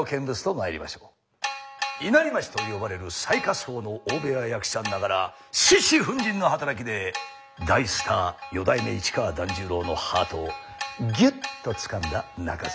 稲荷町と呼ばれる最下層の大部屋役者ながら獅子奮迅の働きで大スター四代目市川團十郎のハートをギュッとつかんだ中蔵。